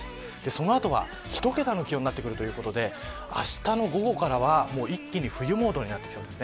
その後１桁の気温になってくるということであしたの午後からは一気に冬モードになってきそうです。